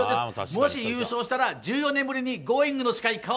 もし優勝したら１４年ぶりにＧｏｉｎｇ！